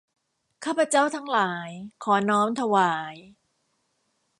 ข้าพเจ้าทั้งหลาย ขอน้อมถวาย